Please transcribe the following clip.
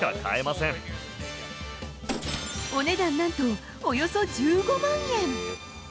お値段なんと、およそ１５万円。